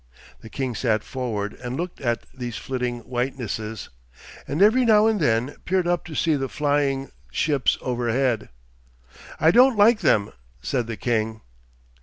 The king sat forward and looked at these flitting whitenesses, and every now and then peered up to see the flying ships overhead. 'I don't like them,' said the king.